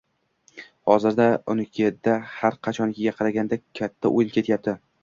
Hozir unikida har qachongiga qaraganda kata o`yin ketyapti